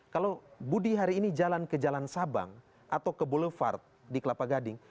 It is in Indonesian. kalau budi hari ini jalan ke jalan sabang atau ke boulevard di kelapa gading